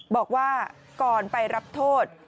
บอกว่าก่อนไปรับโทษ